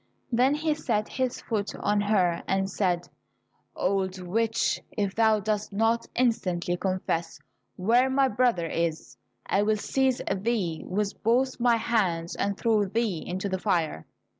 Then he set his foot on her and said, Old witch, if thou dost not instantly confess where my brother is, I will seize thee with both my hands and throw thee into the fire.